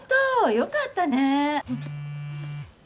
よかったね。